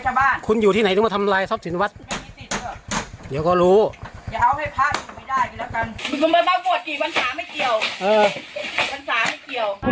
จะเกรงใจทำไมชาวบ้านขนาดพระยังไม่เกรงใจเลย